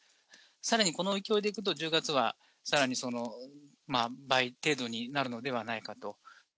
さらにこの勢いでいくと、１０月はさらにその倍程度になるのではないかと。